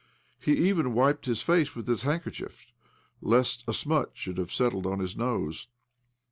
He even wiped his face with his handkerchief, lest a smut should have settled on his nose.